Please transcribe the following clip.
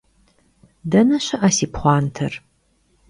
Dene şı'e si pxhuanter?